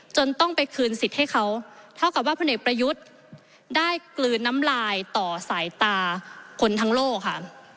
จนต้องไปคืนสิทธิ์ให้เขาเท่ากับว่าพลเอกประยุทธ์ได้กลืนน้ำลายต่อสายตาคนทั้งโลกค่ะ